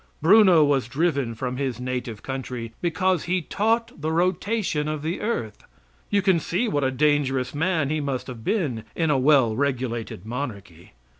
Bruno was driven from his native country because he taught the rotation of the earth; you can see what a dangerous man he must have been in a well regulated monarchy.